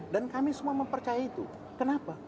dan kami semua mempercaya itu kenapa